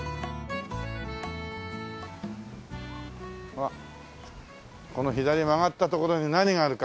ほらこの左に曲がったところに何があるか。